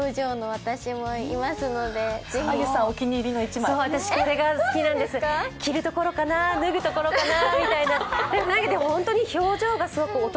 私、これが好きなんです、着るところかな、脱ぐところかなと。